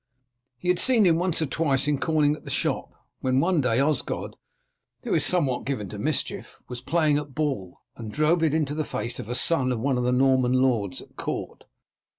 He had seen him once or twice in calling at the shop, when one day Osgod, who is somewhat given to mischief, was playing at ball, and drove it into the face of a son of one of the Norman lords at court.